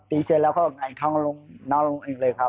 ปีเสร็จแล้วก็อังไงเพราะท้องลุงน้าลุงอิงเลยครับ